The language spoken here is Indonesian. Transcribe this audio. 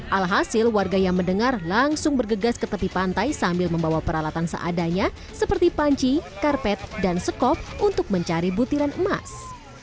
alhasil warga yang mendengar langsung bergegas ke tepi pantai sambil membawa peralatan seadanya seperti panci karpet dan sekop untuk mencari butiran emas